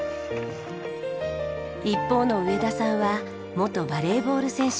一方の植田さんは元バレーボール選手。